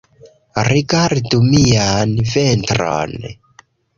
Rigardu mian ventron